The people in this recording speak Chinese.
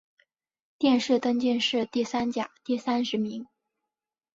殿试登进士第三甲第三十名。